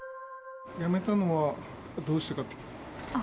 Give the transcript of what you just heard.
辞めたのはどうしてか。